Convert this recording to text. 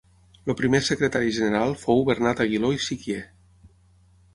El primer Secretari General fou Bernat Aguiló i Siquier.